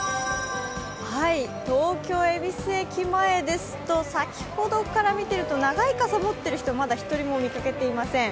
東京・恵比須駅前ですと、先ほどから長い傘を持っている人まだ一人も見かけていません。